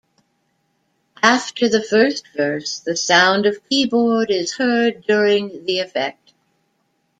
After the first verse, the sound of keyboard is heard during the effect.